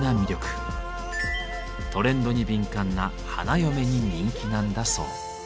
トレンドに敏感な花嫁に人気なんだそう。